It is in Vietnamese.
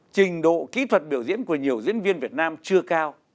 trình độ kỹ thuật biểu diễn của nhiều diễn viên việt nam chưa cao